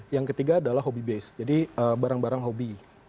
yang ketiga adalah hobby based jadi barang barang hobi